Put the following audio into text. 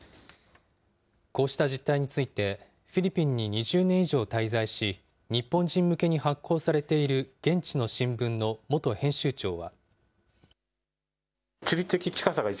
こうした実態について、フィリピンに２０年以上滞在し、日本人向けに発行されている現地の新聞の元編集長は。